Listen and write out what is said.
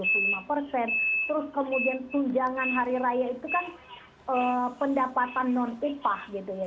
terus kemudian tunjangan hari raya itu kan pendapatan non upah gitu ya